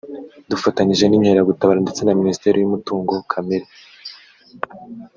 Dufanyije n’inkeragutabara ndetse na Minisiteri y’umutungo kamere[